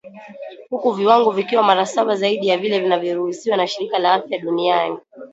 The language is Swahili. huku viwango vikiwa mara saba zaidi ya vile vinavyoruhusiwa na shirika la afya duniani